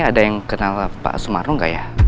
ada yang kenal pak sumarno nggak ya